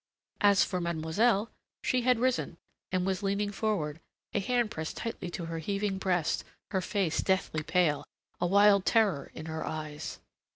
As for mademoiselle, she had risen, and was leaning forward, a hand pressed tightly to her heaving breast, her face deathly pale, a wild terror in her eyes.